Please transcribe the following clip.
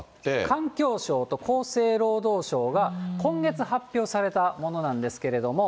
環境省と厚生労働省が今月発表されたものなんですけれども。